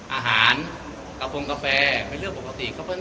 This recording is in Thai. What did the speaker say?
อาหารกระโฟงกาแฟไปเลือกปกติ